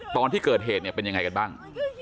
ตอนที่เกิดเหตุเนี่ยเป็นยังไงกันบ้าง